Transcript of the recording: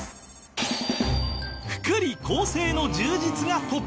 「福利厚生の充実」がトップ。